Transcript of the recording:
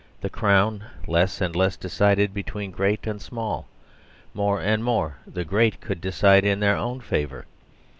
The Crown less and less decided between great and small. More and more the great could decide in their own favour.